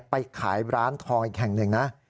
ไปขายร้านทองอีกแห่งหนึ่งนะ